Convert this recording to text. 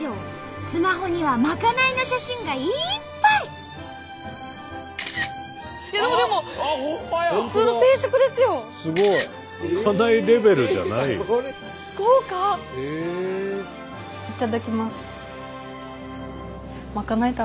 スマホにはまかないの写真がいっぱい！あっかわいい。